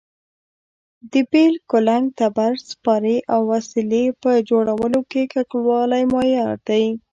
د بېل، کولنګ، تبر، سپارې او وسلې په جوړولو کې کلکوالی معیار دی.